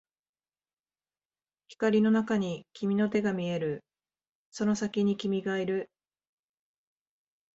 光の中に君の手が見える、その先に君がいる